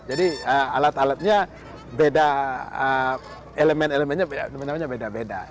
jadi alat alatnya beda elemen elemennya beda beda